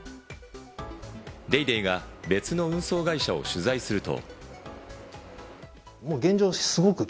『ＤａｙＤａｙ．』が別の運送会社を取材すると。